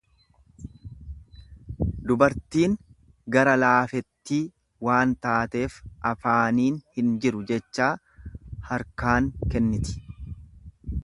Dubartiin gara laafettii waan taateef afaaniin hin jiru jechaa harkaan kenniti.